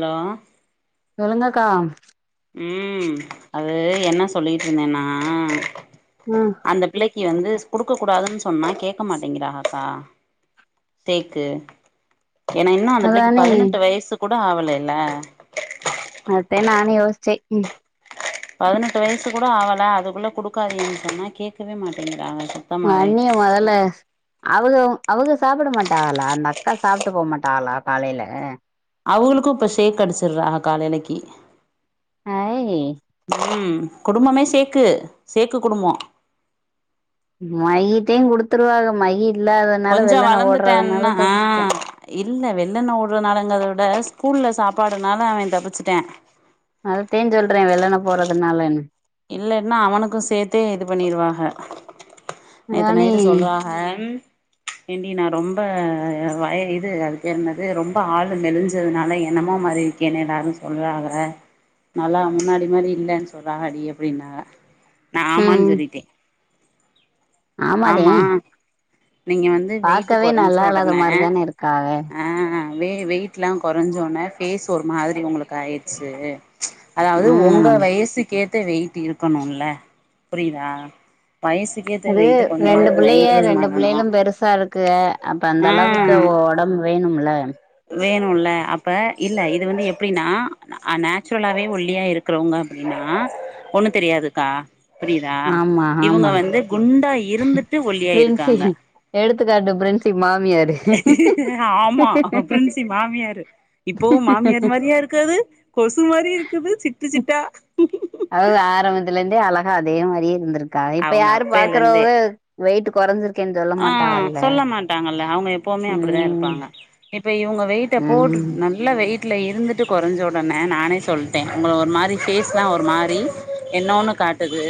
Hello ஜமுனாக்கா ம் அது என்ன சொல்லிட்டுருந்தனா ம் அந்த பிள்ளைக்கி வந்து குடுக்க கூடாதுன் சொன்னா கேட்க மாட்டேங்கிறாங்கக்கா தேக்கு ஏனேன்னா அந்த புள்ளைக்கி அதானே பதினெட்டு வயசு கூட ஆவலைல்ல அதா நானு யோசிச்சே ம் பதினெட்டு வயசு கூட ஆவல அதுக்குள்ள குடுக்காதிங்க சொன்னா கேட்கவே மாட்டேங்கறாங்க உங் அண்ணிய மொதல்ல அவுக அவுக சாப்ட மாட்டாகலா அந்த அக்கா சாப்ட்டு போகமாட்டாகலா காலேல அவுகளுக்கு இப்ப சேத் அடிச்சட்றாங்க காலேலைக்கி ஐய் ம் குடும்பமே சேக்கு சேக்கு குடும்போ மையிதே குடுத்துருவாக மையி இல்லாதனால கொஞ்சம் வெள்ள நா வளர்ந்துட்டேன்னா ஓடுறதுனால ஆ தப்ச்சிட்டே இல்ல வெள்ளன்னா ஓடறனாங்கத விட ஸ்கூல்ல சாப்பாடுனால அவே தப்பிச்சிட்டா அதத்தே சொல்றே வெள்ளன போறதுனாலன்னு இல்லேன்னா அவனுக்கு சேத்தே இது பண்ணிருவாக நேத்து அதானே நைட்டு சொல்றாக ம் ஏன்டி நா ரொம்ப வய இது அது பேருன்னாது ரொம்ப ஆளு மெலிஞ்சதுனால என்னமோ மாரி இருக்கியே எல்லாரு சொல்றாகர நல்லா முன்னாடி மாரி இல்லேன் சொல்றாகடி அப்டின்னாக நா ஆமான் சொல்லிட்டே ஆமாவு ஆமா நீங்க வந்து வெயிட்டு கொறைஞ்ச இல்லாத உடன மாரிதானே இருக்காக ஆ வெ வெயிட் ட்லா கொறைஞ்சோன்ன ஃபேஸ் ஒரு மாரி ஒங்களுக்கு ஆயிருச்சு அதாவ்து உங்க ம் வயசுக்கேத்த வெயிட் இருக்கணுல்ல புரியுதா வயசுக்கேத்த அது வெயிட்ட கொஞ்சமாது ரெண்டு பிள்ளைக மெயின்டெயின் ரெண்டு பண்ணனு பிள்ளைகளு பெருசா இருக்குக அப்ப அந்த ஆ அளவுக்கு ஒடம்பு வேணுமல்ல வேணுல்ல அப்ப இல்ல இது வந்து எப்டின்னா நேச்சுரலாவே ஒல்லியா இருக்கிறவங்க அப்டின்னா னா ஒண்ணு தெரியாதுக்கா புரியுதா ஆமா இவங்க ஆமா வந்து குண்டா இருந்துட்டு பிரின்சி ஒல்லியாயிருக்காங்க எடுத்துக்காட்டு பிரின்சிப் ஆமா பிரின்சி மாமியாரு இப்பவு மாமியார் மாரியா இருக் என்னது கொசு மாரி இருக்குது சிட்டு சிட்டா அதாவ்து ஆரம்துலந்தே இருந்தே அழகா அதே மாரியே இருந்திருக்கா இப்ப அவங்க யாரு பாக்குறவ வெயிட் குறஞ்சிரு அ சொல்ல மாட்டாங்கல்ல அவங்க எப்புமே அப்டிதா ம் இருப்பாங்க இப்ப இவங்க வெயிட்ட ம் போட்டுட்டு நல்ல வெயிட் ட்ல இருந்துட்டு கொறஞ்ச ஓடனே நானே சொல்ட்டே உங்கள ஒரு மாரி ஃபேஸ்லா ஒரு மாரி என்னொன்னு காட்டுது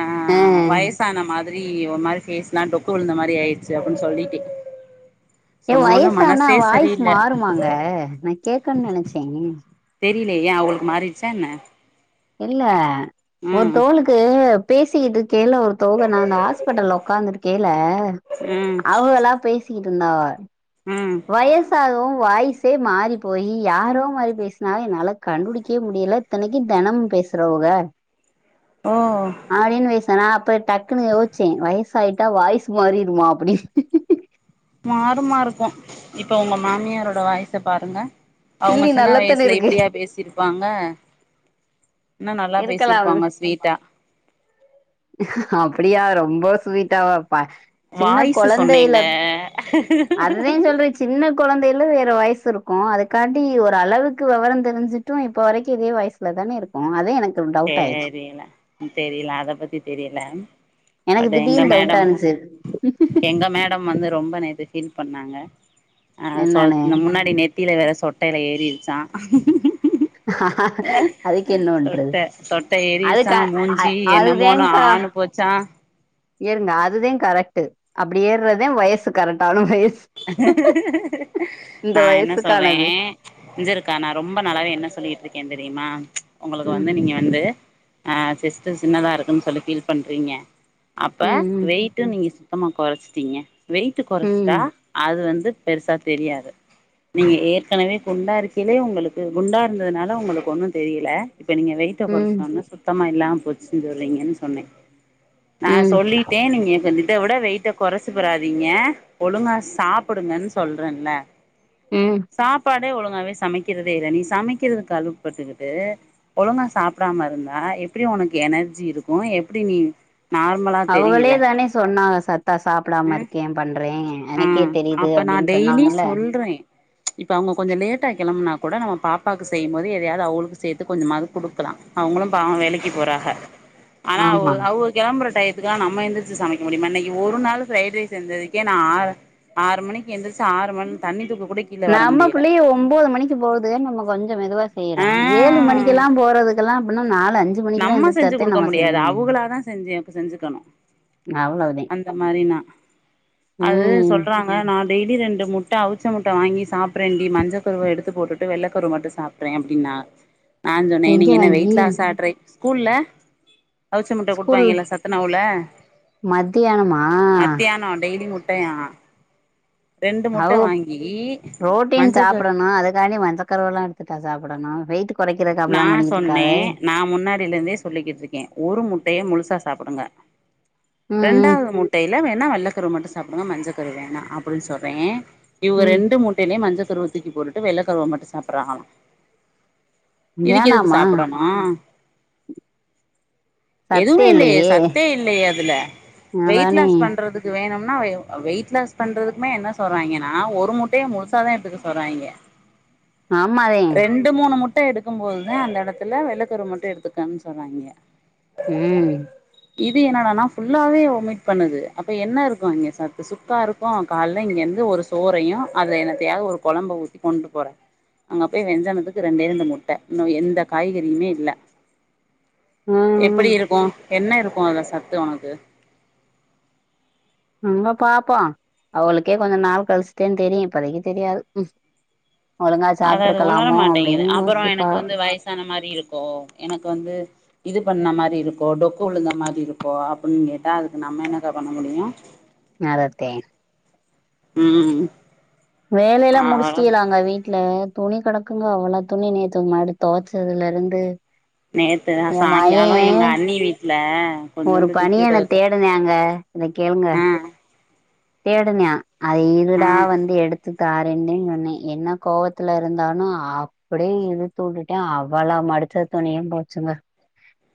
அ ஆ வயசான மாரி ஒரு மாரி ஃபேஸ்லா டொக் க்கு விழுந்த மாரி ஆயிருச்சு அப்டின்னு சொல்லிட்டே ஏ சொன்னோன வயசானா மனசே வாய்ஸ் சரியில்ல மாறுமாங்க நா கேக்ன்னு நெனச்சே தெரில ஏ அவளுக்கு மாறிடுச்சா என்ன இல்ல ம் ஒருதவுளுக்கு பேகிட்டு இருக்கைல ஒருத்தவக நா அந்த ஹாஸ்பிட்டல உட்காந்து இருக்கைல ம் அவங்களா பேசிக்கிட்டு இருந்தாவ ம் வயசாகவு வாய்ஸே மாறி போய் யாரோ மாறி பேசுனாக என்னால கண்டுபுடிக்கவே முடியல இத்தனைக்கு தெனமு பே பேசுறவுக ஓ நா அப்ப டக்குன்னு யோசிச்சே வயசாய்யிட்டா வாய்ஸ் மாறிருமா அப்டின் மாறுமா இருக்கு இப்ப உங்க மாமியாரோட வாய்ச பாருங்க அவங்க இல்லி சின்ன நல்லத்தானே வயசுல இருக்கு இப்டியா பேசிருப்பாங்க இன்னு நல்லா இருக்கலாம் பேசிருப்பாங்க ஸ்வீட்டா அப்டியா ரொம்ப ஸ்வீட்டாவாப்பா சின்ன வாய்ஸு கொழந்தையில சொன்னேங்க அதுதா சொல்றே சின்ன கொழந்தையில ஒரு வாய்ஸ் இருக்கு அதுக்கான்டி ஒரு அளவுக்கு வொவரோ தெரிஞ்சுட்டு இப்ப வரைக்கு இதே வாய்ஸ்ல தானே இருக்கு அதே எனக்கு டவுட் ஆயிடுச்சு தெரில தெரில அத பத்தி தெரில எனக்கு பட் எங்க திடீர்னு டவுட்டா மேடம் இருந்துச்சு எங்க மே மேடம் வந்து ரொம்ப நேத்து ஃபீல் பண்ணாங்க அ சொ என்னன்னு முன்னாடி நெத்தில வேற சொட் ட்டையில ஏறிடுச்சா அதுக்கு என்ன பண்றது சொட்ட சொட்ட எரிடுச்சா அதுக்க மூஞ்சி என்னமோனு அதுதேன்கா ஆணு போச்சா ஏறுங்க அதுதா கரெக்ட்டு அப்டி ஏறுறதே வயசு கரெக்ட்டான வயசு இந்த நா என்ன சொல்றே வயசுக்கானது இஞ்சிருக்கா நா ரொம்ப நாளாவே என்ன சொல்லிகிட்டு இருக்கே தெரியுமா உங்ளுக்கு ம் வந்து நீங்க வந்து அ சேஸ்ட்டு சின்னதா இருக்குன்னு சொல்லி ஃபீல் பண்றீங்க அப்ப ம் ம் வெயிட்டு நீங்க சுத்தமா கொறச்சிட்டீங்க வெயிட்டு கொறச்சுட்டா ம் அது வந்து பெருசா தெரியாது நீங்க ஏற்கனவே குண்டா இருக்கிலே உங்களுக்கு குண்டா இருந்ததுனால உங்களுக்கு ஒண்ணு தெரியல இப்ப நீங்க வெயிட்ட ம் கொறச்சொனனே சுத்தமா இல்லாம போச்சுன்னு சொல்றீங்கன்னு சொன்னே நா ம் சொல்லிட்டே நீங்க இப்ப இத விட வெயிட்ட கொறச்சு புடாதீங்க ஒழுங்கா சாப் சாப்புடுங்கன்னு சொல்றேன்ல ம் சாப்பாடு பாடே ஒழுங்காவே சமைக்கிறதே இல்ல நீ சமைக்கிறதுக்கு அழுப்பு பட்டுகிட்டு ஒழுங்கா சாப்டாம இருந்தா எப் எப்டி ஒனக்கு எனர்ஜி இருக்கு எப்டி நீ நார்மலா தெரியுவ அவுகளே தானே சொன்னாங்க சத்தா சாப்பிடாம இருக்கே பண்றே அ எனக் அப்ப நா டெய்லி சொல்றே இப்ப அவங்க கொஞ்சொ லேட்டா கெளம்புனா கூட நம்ம பாப்பாக்கு செய்யும் போது எதையாவது அவோகளுக்கு சேத்து கொஞ்சமாது குடுக்கலா அவங்களும் பாவோ வேலைக்கு போறாங் க ஆனா அவ்க ஆமா அவ்க கெளம்புற டைத் த்துக்தா நம்ம எந்திரிச்சு சமைக்க முடியுமா இன்னைக்கு ஒரு நாள் பிரைட் ரைஸ் செஞ்சதுக்கே நா ஆறு ஆறு மணிக்கு எந்திரிச்சு ஆறு மண் தண்ணி தூக்கொ நம்ம புள்ளைய ஒம்போது மணிக்கு போகுது நம்ம கொஞ்சோ மெதுவா செய்றம் ஏழு ஆ மணிக்கெல்லா போறதுக்கெல்லாம் அப்ன்னா நம்ம செஞ்சு குடுக்க முடியாது முடியும் அவுகளாதா செஞ்சு செஞ்சுக்கணு அவ்வளவுதான் அந்த மாரினா அது ம் சொல்றாங்க நா டெய்லி ரெண் டு முட்ட அவுச்ச முட்ட வாங்கி சாப்றேண்டி மஞ்ச கருவ எடுத்து போட்டுட்டு வெள்ள கருவ மட்டு சாப்ட்றே அப்டின்னா நா சொன்னே எங்க நீங்க என்ன வாங்கி வெயிட் லாஸ்ஸா ட்ரை ஸ்கூல்ல அவுச்ச முட்டய ஸ்கூல் குடுப்பாய்ங்கல சத்துணவுல மத்தியானமா மத்தியானொ டெய்லியு முட் ட்டயா அவ் புரோட்டின் மஞ்ச கரு சாப்டணு அதுக்காண்டி மஞ்சக்கருவெல்லா எடுத்துட்டா சாப்புடணு நா சொன்னே நா முன்னாடியில இருந்தே சொல்லிக்கிட்டு இருக்கே ஒரு முட்டைய முழுசா சாப்புடுங்க ம் ரண்டாவது முட்டைல ல வேணா வெள்ளக்கரு மட்டு சாப்புடுங்க மஞ்ச கரு வேணா அப்படின் சொல்றே இவக ம் ரெண்டு முட்டைலயு மஞ்சக் துருவ தூக்கி போட்டுட்டு வெள்ள கருவ மட்டு சாப்பறாங்களா ம் இதுக்கு எதுக்கு ஏனாமா சாப்புடணு எதுவுமே இல்லையே சத்தே இல்லையே அதுல வெயிட் அதானே லாஸ் பண்றதுக்கு வேணு ன்னா வெவ் அ வெயிட் லாஸ் பண்றதுக்குமே என்ன சொல்றாங்கன்னா ஒரு முட்டைய முழுசாத எடுத்துக்க சொல்றாய்ங்க ஆமாதே ரெண்டு மூணு முட்ட எடுத் க்கம் போதுதா அந்த எடத்துல வெள்ளக்கரு மட்டு எடுத்துக்கன் சொல்றாய்ங்க ம் இது என்னடானா ஃபுல்லாவே ஒமிட் பண்ணுது அப்ப என்ன ருக்கு அங்க சத்து சுக்கா ருக்கு கால்ல இங்க என் ந்து ஒரு சோறையு அத எனத்தையாவது ஒரு கொழம்ப ஊத்தி கொண்டு போற அங்கப்பயே வெஞ்சானத்துக்கு ரெண்டே ரெண்டு முட் ட இன்னு எந்த காய்கறியுமே இல்ல எப்படி ம் இருக்கு என்ன இருக்கு அதுல சத்து ஒனக்கு ம்ப பாப்போ அவளுக்கே கொஞ்ச நாள் கழிச்சுதே தெரியு இப்போதைக்கு தெரியாது ம் அதாவ்து உணர மாட்டேங்குது அப்பறொ யோசிப்பா எனக்கு வந்து வயசான மாரி இருக்கோ எனக்கு வந்து இது பண்ண மாரி இருக்கோ டொக்கு வுழுந்த மாரி இருக்கோ அப்டின் கேட்டா அதுக்கு நம்ம என்னக்கா பண்ண முடியு நாதத்தே ம் வேலைல்லா அவ்ளோதா முடிச்சுட்டிகலாங்க வீட்ல துணி கெடக்குங்க அவ்வளோ துணி நேத்து [unintelligible] தொவச்சதுல இருந்து நேத்து நா எ மயே சாயங்காலோ எங்க அண்ணி வீட்ல ஒரு கொஞ்சோண்டு பனியன லிக்யூட் தேடுனேங்க அத கேளுங்க ஆ தேடுனே அத ஆ இருடா வந்து எடுத்து தாரேனுத சொன்னே என்ன கோவத்துல இருந்தானோ அப்படியே இழுத்து வுட்டுட்டே அவ்வளோ மட் டுச்ச துணியு போச்சுங்க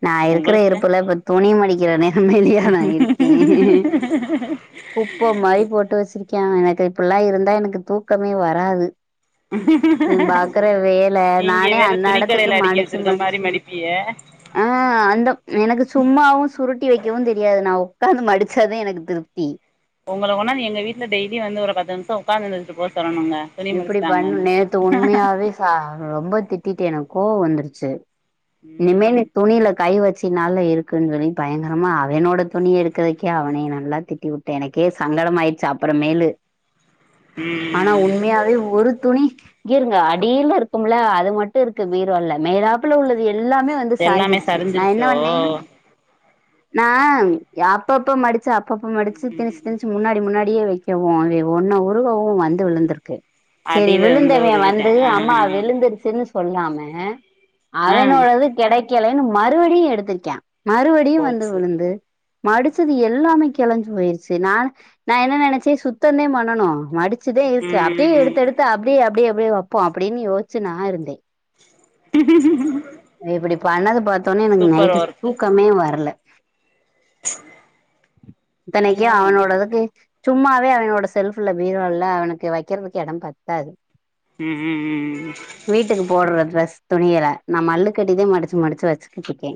நா இருக்குற உங்களுக்கு இருப்புல இப்ப துணி மடிக்கிறனே அமைதியா நா இருக்கே குப் ப்போ மாரி போட்டு வச்சிருக்கே எனக்கு இப்புல்லா இருந்தா எனக்கு தூக்கமே வராது இவெ பாக்குற வேல நீங்க நானே வேற அந்ந எடத்துக்கு துணிக்கடையில அடிக்கி மடிச்சு வச்சிருக்க மடிச் மாரி மடிப்பிய அ அந்த எனக்கு சும்மாவும் சுருட்டி வைக்கவும் தெரியாது நா உ க்காந்து மடிச்சாதே எனக்கு திருப்தி ஒங்கள ஒரு நாள் எங்க வீட்ல டெய்லி வந்து ஒரு பத்து நிமிஷோ உக்காட்ந்துட்டு எஞ்சு போ சொல்லனுங்க இப்டி பண் நேத்து உண்மையாவே ச ரொம்ப திட்டிட்டு எனக் கோவோ வந்துடுச்சு. இனிமே நீ ம் துணில கை வச் த்தி நாள் இருக்குன் சொல்லி பயங்கரமா அவெனோட துணிய எடுக்கறதுக்கே அவனை நல்லா திட்டிவுட்ட எனக்கே சங்க டமாய்டுச்சு அப்புறமேலு [inaudible] ஆனா ம் உண்மையாவே ஒரு துணி இருங்கெருங்க அடியில இருக்கும்ல அது மட்டு இருக்கு பீரோல மேல்லாப்புல உள்ளது எ எல்லாமே வந்து எல்லாமே சாஞ்சிருச்சி நா என்ன சரிஞ்சிருச்சோ பண்ணே நா அப்பப்ப மடிச்சி அப்பப்ப மடிச்சி திணிச்சி ம் திணிச்சு முன்னாடி முன்னா டியே வெக்கெவு அதெ ஒன்ன உருவவு வந்து விழுந்துருக்கு சேரி அடியில இருந்து விழுந்தவெ உருவிட்டே வந்து ஆ அம்மா விழுந்துருச்சுன்னு சொல்லாம ஆ அவெனோடது கெடைக்கெலேன்னு மறுபடியு எடுத்ருக்யா மறுபடியு வந்து போச்சு விழுந்து மடிச்சது எல்லாமே கெளஞ்சு போயிருச்சி நா நா என்ன நெனச்சே சுத்தந்தே பண்ணனு மடிச்சதே இருக்கு அப்டியே ம் எடுத்து எடுத்து அப்டியே அப்டியே அப்யே வெப்போ அப்டின் யோஸ்ச்சி நா இருந்தே ம் ம் இப்டி பண்ணது பாத்த ஒன்னே எனக்கு நைட்டு ஒர்க்கு தூக்கமே வர்ல இத்தனைக்கு பண்ணுவோ அவனோடதுக்கு சும்மாவே அவனோட செல்ஃப்ல பீரோல அவனுக்கு வக்கெற்துக்கு எடம் பத்தாது ம் ம் வீட்டுக்கு போட்ற ட்ரெஸ் துணியல நா மல்லுக் கட்டிதே மடிச்சி மடிச்சி வச்சுக்கிட்ருக்கே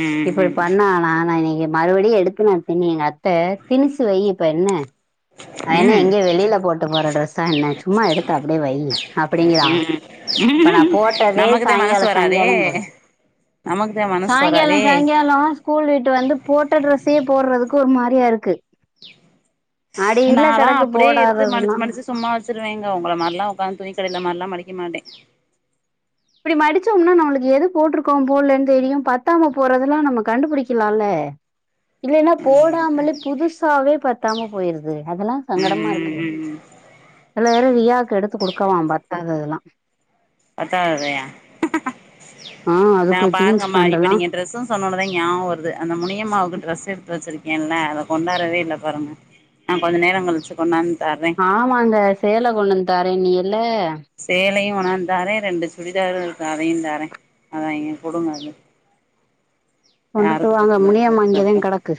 ம் இப்டி ம் பண்ணானா நா இன்ன எ மறுபுடியு எடுத்து நா திண்ணே எங்க அத்த திணிச்சி வையி இப்ப என்ன [inaudible] அவெ என்னெ எங்கே வெளியில போட்டு போற ட்ரெஸ்ஸா என்ன சும்மா எடுத்தா அப்டியே வையி அப்டிங்கிறா இப்ப நா போட்டதே சாயங்காலொ ஏ சாயங்காலொ சாயங்காலொ ஸ்கூல் விட்டு வந்து போட்ட ட்ரெஸ்ஸயே போர்றதுக்கு ஒ மாரியா இருக்கு அடியில நால்லா கிடக்கு அப்டியே எடுத்து மடிச் போடாததுலாம் மடிச்சி சும்மா வச்சிருவேங்க உங்கள மாரில்லா உக்காந்து துணிக் கடையில மாரில்லா மடிக் க்க மாட்டே இப்டி மடிச்சோம்னா நம்மளுக்கு எது போட்ருக்கோம் போல்லேன் தெரியு பத்தாம போறதுல்லா நம்ம கண்டுப்புடிக்கிலால்ல இல்லேன்னா ம் போடாமலே புதுசாவே பத்தாம போய்ருது அதெல்லா சங்கடமா ம் இருக்கு ம் சில வேற ரியாக்கு எடுத்து குடுக்கவா பத்தாதெதல்லா [unintelligible] ஆ நா அதுக்கு ஜீன்ஸ் பாருங்கம்மா இப்ப பேண்டல்லா நீங்க டிரெஸ்ஸுன் சொன்ன ஒன்னேதா ஞாவொ வருது அந்த முனியம்மாவுக்கு ட்ரஸ்ஸு எடுத்து வச்சிருக் கேன்ல அத கொண்டாடவே இல்ல பாருங்க நா கொஞ்ச நேரங் கழிச்சு கொண்டாந் ஆமாங்க சேல கொண்டந்து தாரேன்னீயல்ல கொண்ணாந் தாரே ரெண்டு சுடிதாரு இருக்கு அதையு தாரே அத அங்க குடுங்க அத கொண்டுட்டு யாருக் வாங்க பத்துதோ முனியம்மா இங்கதா போட்டுக்கட்டு கெடக்கு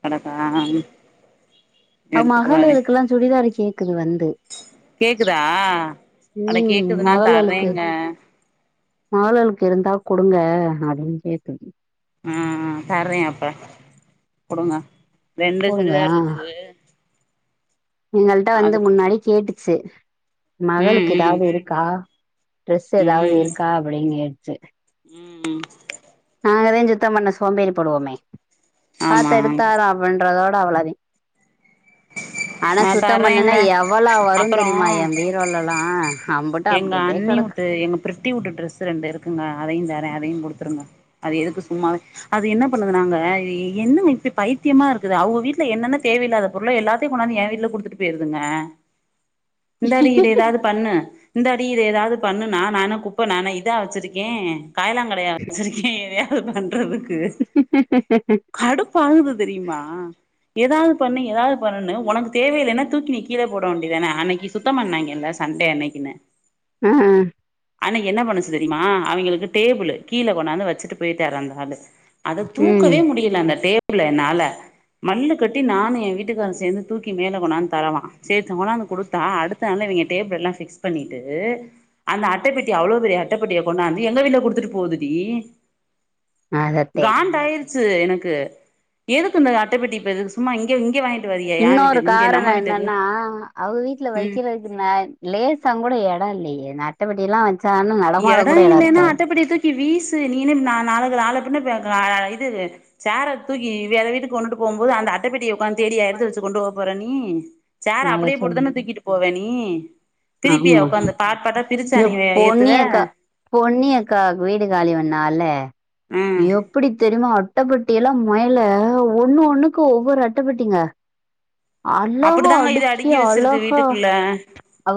கடக்கா ஆ ம் அவ மஹளுகளுக்குல்லா சுடிதாரு கேக்குது வந்து கேக்குதா ஆன ம் கேக்குதுன்னா மகளுகளுக்கு தர்றேங்க மகளுகளுக்கு இருந்தா குடுங்க அப்டின் கேக்குது ஆ ஆ தரே அப்ப குடுங்க ரெண்டு குடுங்க சுடிதார் ஆ இருக்குது எங்கள்ட்ட வந்து அதுக்கு முன்னாடி கேட்டுச்சி ம் மகளுக்கு ம் ஏதாவ்து இருக்கா ட்ரெஸ்ஸு ஏதாவ்து இருக்கா அப்டின் கேட்ச்சி ம் ம் நாங்கதே சுத்தம் பண்ண சோம்பேறி படுவோமே ஆமா பாத்து எடுத்தார அப்டின்றதோ ட அவ்ளதே [inaudible] ஆனா சுத்தம் பண்ணனா தர்றேங்க எவ்வளோ வருந் அப்பறோ தெரியுமா ஏம் பீரோலலா அம்புட்டு அப்டி அப்டியே கடக் ஊட்டு எங்க ப்ரித்தி ஊட்டு ட்ரெஸ்ஸு ரெண்டு இருக்குங்க அதையுந் தரே அதையு குடுத் இருங்க அது எதுக்கு சும்மாவே அது என்ன பண்ணதுனாங்க என்ன இப்டி பைத்தியமா இருக்குது அவங்க வீட்ல என்னன்ன தேவையில்லாத பொருளோ எல்லாத்த அப்டி கொனாந்து ஏ வீட்டுல குடுத்துட்டு போயிருதுங்க இந்தாடி கெடக்கு இது ஏதாவது பண்ணு இந்தாடி இது எதாவது பண்ணுணா நானு குப்ப நானா இதா வச்சுருக்கே காயலாங்கடையா வச்சுருக்கே எ பண்றதுக்கு கடுப்பாகுது தெரியுமா ஏதாவது பண்ணு ஏதாவது பண்ணு உனக்கு தேவையில்லைன்னா தூக்கி கீழே போட வேண்டியதானே அன்னைக்கு சுத்தம் பண்ணாய்ங்கல்ல சண்டே அன்னைக்குன்னு ஆ ஆ அண்ணகி என்ன பண்ணுச்சு தெரியுமா அவங்களுக்கு டேபிள்ளு கீழ கொண்ணாந்து வச்சுட்டு போயிட்டாரு அந்தாளு அத ம் தூக்கவே முடியல அந்த டேபிள என்னால மல்லுக் கட்டி நானு ஏ விட்டு வீட்டுக்காரரு சேந்து தூக்கி மேலே கொண்டானு தரவா சரி தவங்கலாந்து குடுத்தா அடுத்தன இவ டேபிள்லா ஃபிக்ஸ் பண்ணிட்டு உ அந்த அட்டைபெட்டி அவ்வளவு பெரிய அட்டைபெட்டிய கொண்டாந்து எங்க வீட்டில குடித்துடு போகுதுடி அதத்தே சூ எனக்கு எதுக்கு இந்த அட்டை பெட்டி இப்பக்கு சும்மா இங்க இங்க வாங்கி இன்னொரு காரண என்னன்னா அவ வீட்ல வெக்கறதுக்கு லேச கூட எட இல்லையே ஏன் அட்டபெட்டில்லா வச்சு எட இல்லைன்னா அட்டப்பெட்டிய தூக்கி வீசு நீல நா நாலக [unintelligible] இது சேர தூக்கி வேற வீட்டுக்கு கொண்டுட்டு போகும்போது அந்த அட்டப்பெட்டிய அப்பான் தேடியா எடுத்து வச்சு கொண்டு போ போறே நீ சேர அத அப்படியே சொல்லு போட்டுதான தூக்கிட்டு போவே நீ பிரிப்பியா ஆமா உக்காந்து பார்ட் பார்ட்டா பிரிச்சு அ எ நீ ஏத் பொன்னியக்கா பொன்னியக்கா வீடு காலி பண்ணால ம் எப்படி தெரியுமா அட்டைபெட்டி எல்லா மொயல ஒண்ணு ஒண்ணுக்கு ஒவ்வொரு அட்டைப்பெட்டிங்க அளவா அப்டிதாங்க இது அடுக்கி வச்சிருக்கு அழகா வீட்டுக்குள்ள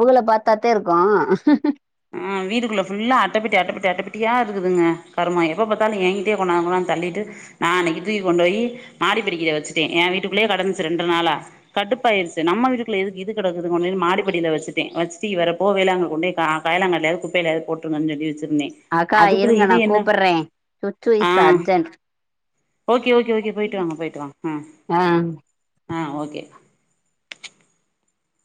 கீழ பாத்தத்தே இருக்கு ஆ வீடுக்குள்ள ஃபுல்லா அட்டபெட்டி அட்டபெட்டி அட்டப்பெட்டியா இருக்குதுங்க கருமோ எப்ப பாத்தாலு ஏங்கிட்டயே கொண்டாந்து கொ தள்ளிட்டு நா அன்னைகி தூக்கி கொண்டு போய் மாடிபடிக்கிட்டா வச்சட்டே ஏ வீட்டுக்குள்ளயே கடந்துச்சு ரெண்டு நாளா க கடுப்பாயிர்ச்சு நம்ம வீட்டிகுள்ள எதுக்கு இது கடக்குதுன் மாடி படியில வச்சுட்டே வச்சிட்டு இவர போவேலா அங்க கொண்டேய் கா காயலங்கடேலயோ குப்பேலாயோ போற்றுங்க சொல்லி வெ சுருருந்தே அக்கா அதுக்குள்ள இருங்க இது நா என்ன கூப்பட்றே சுச்சு ஆ is urgent okay okay okay போயிட்டு வாங்க போயிட்டு வாங்க ஆ அ ஆ ஓகேபா